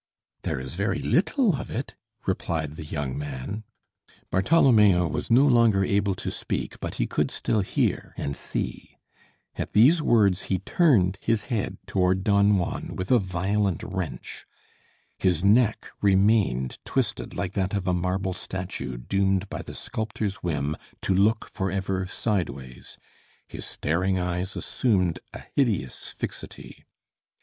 "There is very little of it," replied the young man. Bartholomeo was no longer able to speak, but he could still hear and see. At these words he turned his head toward Don Juan with a violent wrench. His neck remained twisted like that of a marble statue doomed by the sculptor's whim to look forever sideways, his staring eyes assumed a hideous fixity.